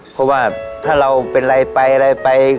เพราะว่าถ้าเราเป็นอะไรไปไป